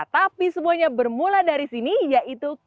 tapi semuanya bermula dari sini yaitu